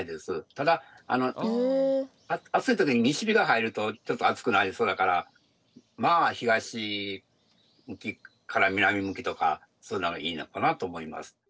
ただ暑い時に西日が入るとちょっと暑くなりそうだからまあ東向きから南向きとかそういうのがいいのかなと思います。